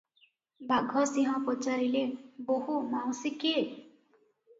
ବାଘସିଂହ ପଚାରିଲେ, "ବୋହୁ ମାଉସୀ କିଏ?